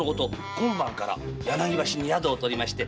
今晩から柳橋に宿を取りまして